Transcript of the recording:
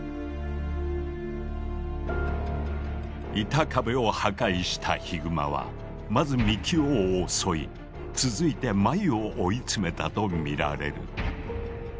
板壁を破壊したヒグマはまず幹雄を襲い続いてマユを追い詰めたとみられる。